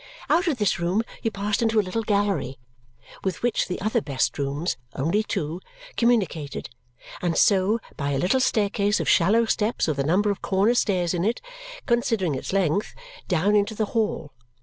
Out of this room you passed into a little gallery, with which the other best rooms (only two) communicated, and so, by a little staircase of shallow steps with a number of corner stairs in it, considering its length, down into the hall.